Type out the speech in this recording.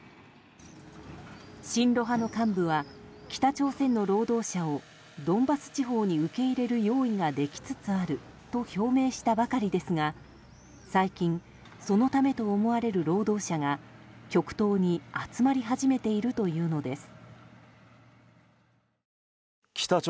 親ロ派の幹部は北朝鮮の労働者をドンバス地方に受け入れる用意ができつつあると表明したばかりですが最近そのためと思われる労働者が極東に集まり始めているというのです。